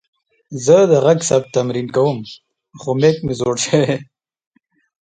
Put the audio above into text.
زه د غږ ثبت تمرین کوم، خو میک مې زوړ شوې.